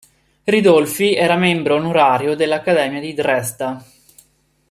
Ridolfi era membro onorario dell'Accademia di Dresda.